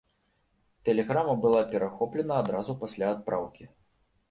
Тэлеграма была перахоплена адразу пасля адпраўкі.